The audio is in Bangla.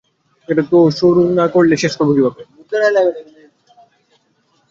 তো শুরু না করলে শেষ করব কিভাবে?